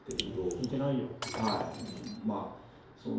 聞いてないよという。